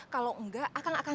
kalau enggak aku